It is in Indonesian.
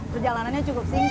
perjalanannya cukup singkat